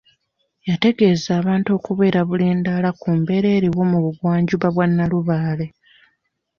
Yategeza abantu okubeera obulindaala ku mbeera eriwo mu bugwanjuba bwa Nalubaale.